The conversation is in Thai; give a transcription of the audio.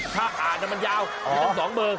ถ้าอ่านมันยาวถึง๒มือ